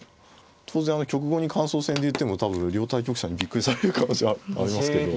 当然局後に感想戦で言っても多分両対局者にびっくりされる可能性ありますけど。